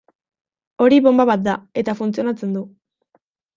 Hori bonba bat da, eta funtzionatzen du.